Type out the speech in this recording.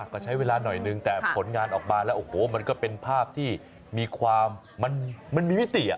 ก็ใช้เวลาหน่อยนึงแต่ผลงานออกมาแล้วโอ้โหมันก็เป็นภาพที่มีความมันมีมิติ